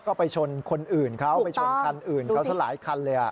ก็ไปชนคนอื่นเขาไปชนคันอื่นเขาซะหลายคันเลย